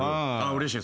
うれしい。